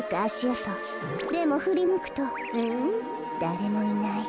でもふりむくとだれもいない。